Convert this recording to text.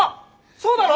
そうだろ？